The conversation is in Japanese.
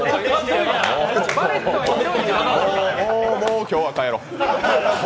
もう、もう今日は帰ろ。